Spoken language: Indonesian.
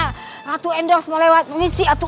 ratu endors mau lewat permisi atu